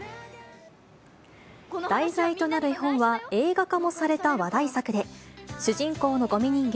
題材となる絵本は映画化もされた話題作で、主人公のごみ人間、